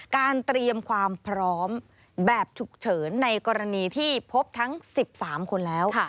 เตรียมความพร้อมแบบฉุกเฉินในกรณีที่พบทั้ง๑๓คนแล้ว